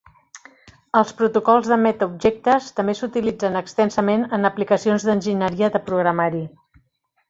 Els protocols de metaobjectes també s'utilitzen extensament en aplicacions d'enginyeria de programari.